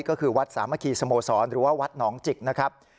ก็คือวัดสามัคคีสโมสรหรือว่าวัดหนองจิกนะครับ